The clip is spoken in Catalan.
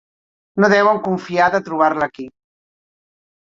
No deuen confiar de trobar-la aquí.